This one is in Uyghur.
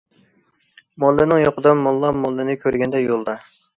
موللىنىڭ يوقىدا— موللا، موللىنى كۆرگەندە— يولدا.